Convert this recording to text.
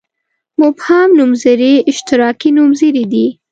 مبهم نومځري اشتراکي نومځري دي.